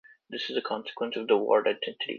This is a consequence of the Ward identity.